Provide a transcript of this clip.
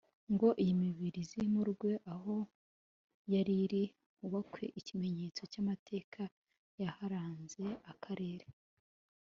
ngo iyo mibiri izimurwe aho yari iri hubakwe ikimenyetso cy amateka yaharanze akarere